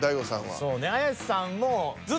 そうね。